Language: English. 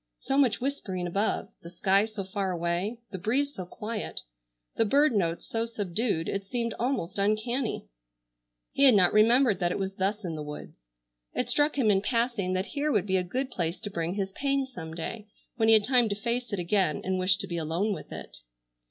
So much whispering above, the sky so far away, the breeze so quiet, the bird notes so subdued, it seemed almost uncanny. He had not remembered that it was thus in the woods. It struck him in passing that here would be a good place to bring his pain some day when he had time to face it again, and wished to be alone with it.